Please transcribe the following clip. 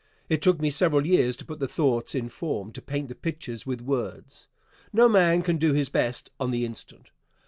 It took me several years to put the thoughts in form to paint the pictures with words. No man can do his best on the instant.